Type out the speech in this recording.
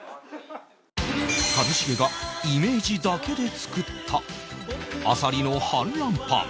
一茂がイメージだけで作ったあさりの反乱パン